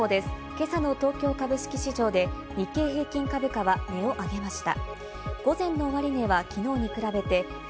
今朝の東京株式市場で日経平均株価は値を上げました。